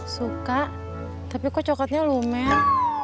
suka tapi kok coklatnya lumer